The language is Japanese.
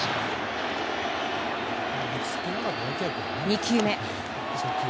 ２球目。